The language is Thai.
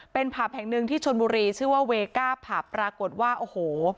เป็นผับแห่งหนึ่งที่ชนบุรีชื่อว่าเวก้าผับปรากฏว่าโอ้โห